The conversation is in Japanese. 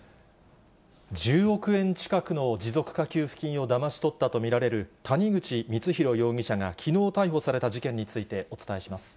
１０億円近くの持続化給付金をだまし取ったと見られる谷口光弘容疑者がきのう逮捕された事件についてお伝えします。